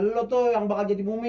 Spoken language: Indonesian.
lu tuh yang bakal jadi mumi